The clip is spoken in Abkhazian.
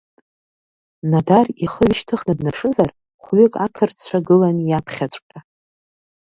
Нодар ихы ҩышьҭыхны днаԥшызар, хәҩык ақырҭцәа гылан иаԥхьаҵәҟьа.